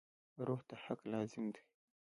روح ته حق لازم دی.